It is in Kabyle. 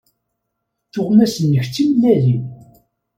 Tuɣmas-nnek d timellalin.